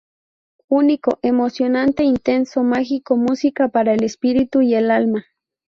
Único, emocionante, intenso, mágico, música para el espíritu y el alma.